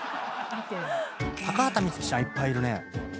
高畑充希ちゃんいっぱいいるね。